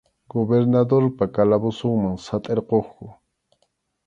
Gobernadorpa calabozonman satʼirquqku.